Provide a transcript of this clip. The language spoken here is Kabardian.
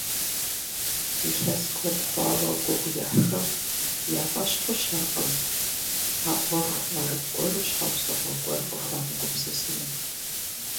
Илъэс куэд хъуауэ гугъу ехьхэм я фӀэщ хъущэркъым а Ӏуэхум аргуэру щхьэусыгъуэ гуэр къыхуамыгупсысыну.